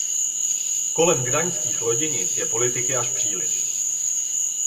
Kolem gdaňských loděnic je politiky až příliš.